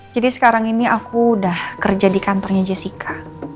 jadi sekarang ini aku udah kerja di kantornya jessica